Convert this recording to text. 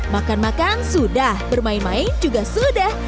makan makan sudah bermain main juga sudah